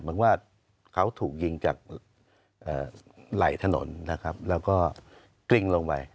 เหมือนว่าเขาถูกยิงจากไหล่ถนนนะครับแล้วก็กลิ้งลงไป